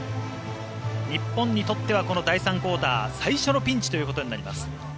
日本にとってはこの第３クオーター最初のピンチとなります。